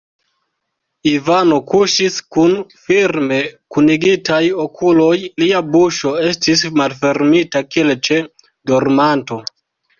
Ivano kuŝis kun firme kunigitaj okuloj; lia buŝo estis malfermita, kiel ĉe dormanto.